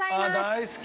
大好き！